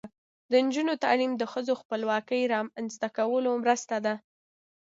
د نجونو تعلیم د ښځو خپلواکۍ رامنځته کولو مرسته ده.